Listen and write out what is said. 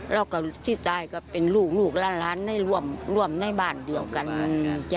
แล้วก็ที่ตายก็เป็นลูกล้านในร่วมในบ้านเดียวกัน